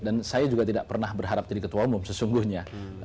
dan saya juga tidak pernah berharap jadi ketua umum sesungguhnya